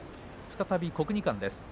再び国技館です。